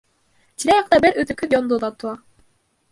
Тирә-яҡта бер өҙлөкһөҙ йондоҙ атыла.